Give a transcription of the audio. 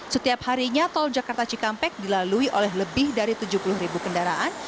setiap harinya tol jakarta cikampek dilalui oleh lebih dari tujuh puluh ribu kendaraan